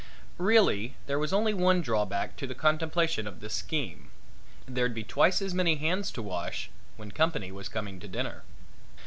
Really, there was only one drawback to the contemplation of this scheme there'd be twice as many hands to wash when company was coming to dinner.